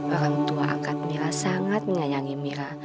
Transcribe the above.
orang tua angkat mira sangat menyayangi mira